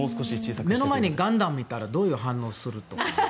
目の前にガンダムがいたらどういう反応をするか。